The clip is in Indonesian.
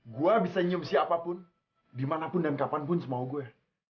gue bisa nyium siapapun dimanapun dan kapanpun semau gue